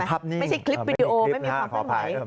เป็นภาพนิ่งไม่ใช่คลิปวีดีโอไม่มีความเป็นไหว